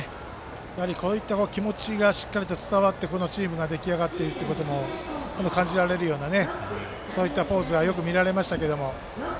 やはりこういった気持ちがしっかりと伝わってこのチームが出来上がっているというのも感じられるようなそういったものはよく見られましたけど。